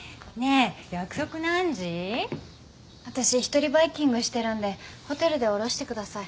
私一人バイキングしてるんでホテルで降ろしてください。